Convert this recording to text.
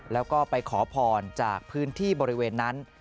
แล้วก็ไปขอพรจากพื้นที่บริเวณนั้น